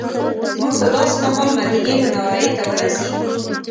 موږ په داسې مهال مدینې منورې ته ورسېدو.